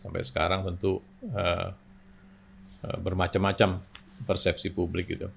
sampai sekarang tentu bermacam macam persepsi publik gitu